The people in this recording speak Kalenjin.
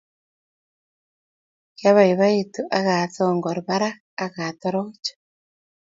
Kiabaibaitu akasongor parak akatoroch